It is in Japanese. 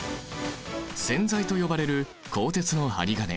線材と呼ばれる鋼鉄の針金